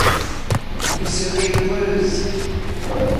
Vous serez heureuse!